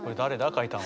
書いたの。